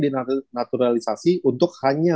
di naturalisasi untuk hanya